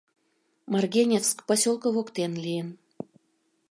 Маргеневск посёлко воктен лийын.